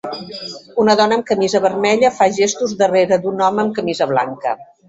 Una dona amb camisa vermella fa gestos darrere d'un home amb camisa blanca.